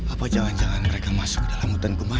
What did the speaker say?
apa jalan jalan mereka masuk ke dalam hutan kumayan